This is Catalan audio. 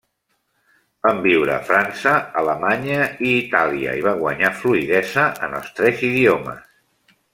Van viure a França, Alemanya i Itàlia i va guanyar fluïdesa en els tres idiomes.